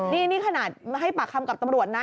นี่นี่ขนาดให้ปากคำกับตำรวจนะ